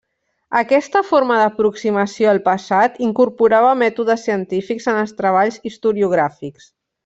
Aquesta forma d'aproximació al passat incorporava mètodes científics en els treballs historiogràfics.